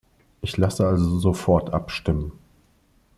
Ich lasse also sofort abstimmen.